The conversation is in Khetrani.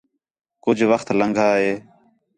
کُجھ وخت لَنگھا ہے